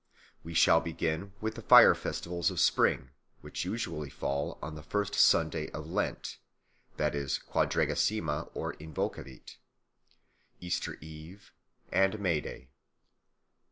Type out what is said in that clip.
We shall begin with the fire festivals of spring, which usually fall on the first Sunday of Lent (Quadragesima or Invocavit), Easter Eve, and May Day.